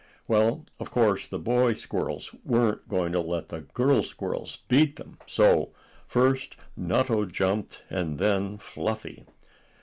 Well, of course the boy squirrels weren't going to let the girl squirrels beat them, so first Nutto jumped, and then Fluffy.